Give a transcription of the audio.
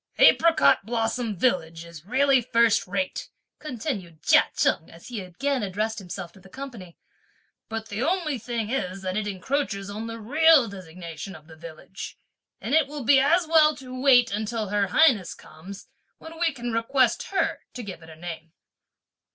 "'Apricot blossom village' is really first rate," continued Chia Cheng as he again addressed himself to the company; "but the only thing is that it encroaches on the real designation of the village; and it will be as well to wait (until her highness comes), when we can request her to give it a name."